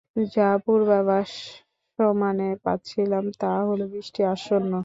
যা পূর্বাভাস সমানে পাচ্ছিলাম তা হল বৃষ্টি আসন্ন।